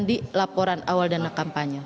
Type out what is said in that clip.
jadi laporan awal dana kampanye